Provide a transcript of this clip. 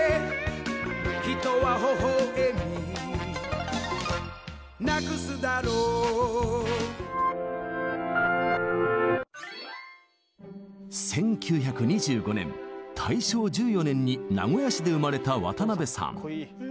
「人はほほえみなくすだろう」１９２５年大正１４年に名古屋市で生まれた渡辺さん。